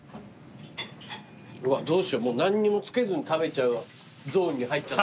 うわどうしよう何にもつけずに食べちゃうゾーンに入っちゃった。